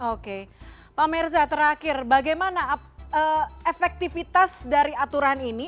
oke pak merza terakhir bagaimana efektivitas dari aturan ini